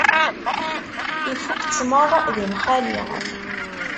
Ifukk ttmeṛ di nnxali.